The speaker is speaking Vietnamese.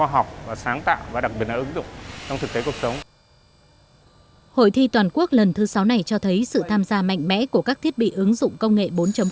hội thi toàn quốc lần thứ sáu này cho thấy sự tham gia mạnh mẽ của các thiết bị ứng dụng công nghệ bốn